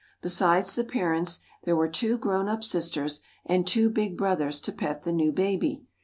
Besides the parents, there were two grown up sisters and two big brothers to pet the new baby.